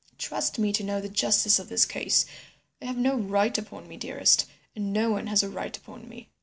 Trust me to know the justice of this case. They have no right upon me, dearest, and no one has a right upon me.